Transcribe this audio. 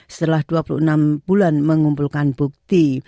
setelah dua puluh enam bulan mengumpulkan bukti